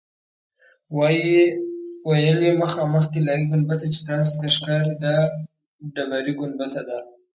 ویل یې مخامخ طلایي ګنبده چې تاسو ته ښکاري دا ډبرې ګنبده ده.